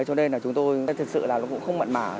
cho nên là chúng tôi thật sự là cũng không mặn mả